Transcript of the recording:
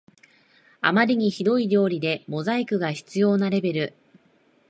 あまりにひどい料理でモザイクが必要なレベル